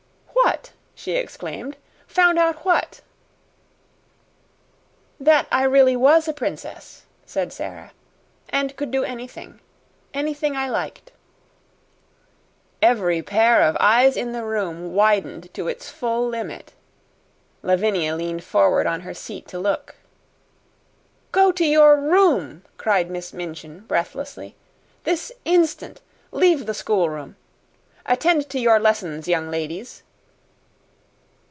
"What?" she exclaimed. "Found out what?" "That I really was a princess," said Sara, "and could do anything anything I liked." Every pair of eyes in the room widened to its full limit. Lavinia leaned forward on her seat to look. "Go to your room," cried Miss Minchin, breathlessly, "this instant! Leave the schoolroom! Attend to your lessons, young ladies!"